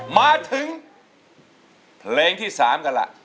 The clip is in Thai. มาถึงเพลงที่๓กันล่ะ